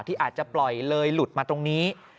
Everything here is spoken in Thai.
ที่อาจจะปล่อยเลยหลุดมาตรงนี้